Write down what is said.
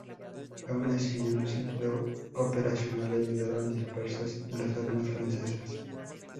Aun así, en un sentido operacional, ayudaron dispersar las armas francesas.